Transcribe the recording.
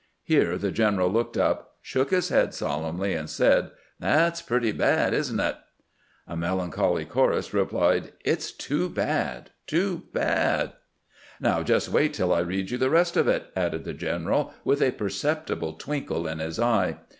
'" Here the general looked up, shook his head solemnly, and said, " That 's pretty bad, is n't it ?" A melancholy chorus replied, " It 's too bad, too bad !"" Now just wait till I read you the rest of it," added the general, with a perceptible twinkle in his eye.